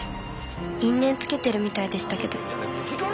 因縁つけてるみたいでしたけど。